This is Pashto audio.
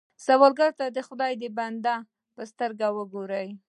سوالګر ته د خدای د بندو په سترګه وګورئ